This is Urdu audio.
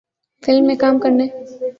فلم میں کام کرنے